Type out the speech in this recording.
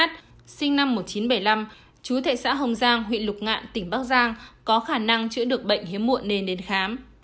sinh năm một nghìn chín trăm bảy mươi năm chú thệ xã hồng giang huyện lục ngạn tỉnh bắc giang có khả năng chữa được bệnh hiếm muộn nên đến khám